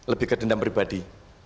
lebih ke dendam pribadi